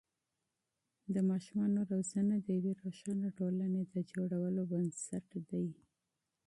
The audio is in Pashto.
د ماشومانو روزنه د یوې روښانه ټولنې د جوړولو بنسټ دی.